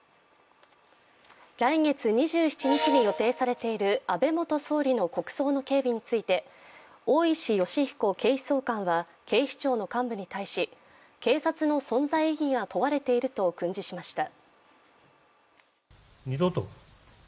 来月２７日に予定されている安倍元総理の国葬の警備について大石吉彦警視総監は警視庁の幹部に対し、警察の存在意義が問われていると訓示しました。